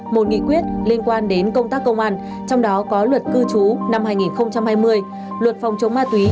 một nghị quyết liên quan đến công tác công an trong đó có luật cư trú năm hai nghìn hai mươi luật phòng chống ma túy